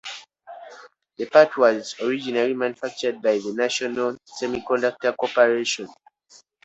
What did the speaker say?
The part was originally manufactured by the National Semiconductor Corporation.